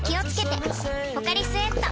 「ポカリスエット」